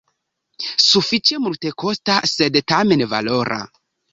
Sufiĉe multekosta sed tamen valora.